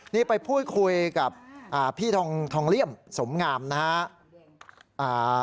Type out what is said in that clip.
นี่ไปพูดคุยกับอ่าพี่ทองทองเลี่ยมสมงามนะครับ